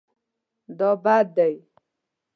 دا بد دی